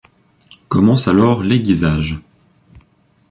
Commence alors l'aiguisage.